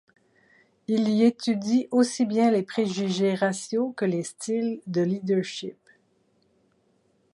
Il y étudie aussi bien les préjugés raciaux que les styles de leadership.